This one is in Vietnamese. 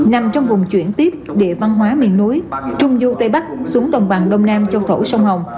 nằm trong vùng chuyển tiếp địa văn hóa miền núi trung du tây bắc xuống đồng bằng đông nam châu thổ sông hồng